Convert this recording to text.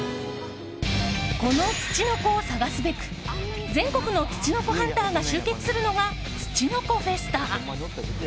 このつちのこを探すべく全国のつちのこハンターが集結するのが、つちのこフェスタ。